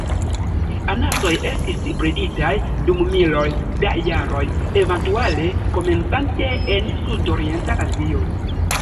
Anasoj estis breditaj dum miloj da jaroj, eventuale komencante en Sudorienta Azio.